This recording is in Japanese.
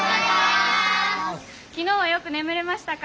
昨日はよく眠れましたか？